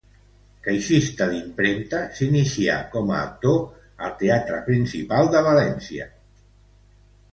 Caixista d'impremta, s'inicià com a actor al Teatre Principal de València.